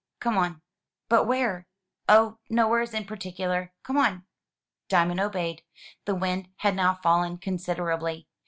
Come on." "But where?" "Oh, nowheres in particular. Come on." Diamond obeyed. The wind had now fallen considerably.